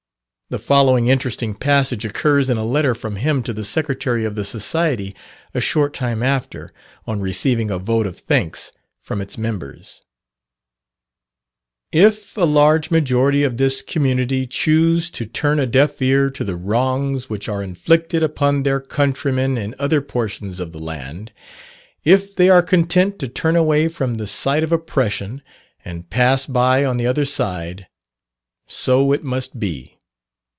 The following interesting passage occurs in a letter from him to the Secretary of the Society a short time after, on receiving a vote of thanks from its members: "If a large majority of this community choose to turn a deaf ear to the wrongs which are inflicted upon their countrymen in other portions of the land if they are content to turn away from the sight of oppression, and 'pass by on the other side' so it must be.